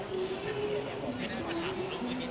ที่สุดท้ายมาถามตรงวันที่๓